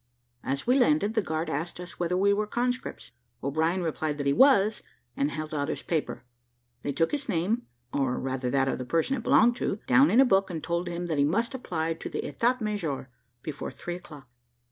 As we landed, the guard asked us whether we were conscripts. O'Brien replied that he was, and held out his paper. They took his name, or rather that of the person it belonged to, down in a book, and told him that he must apply to the etat major before three o'clock.